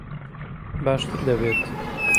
باشتر دەبێت.